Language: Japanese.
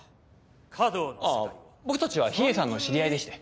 ああ僕たちは秘影さんの知り合いでして。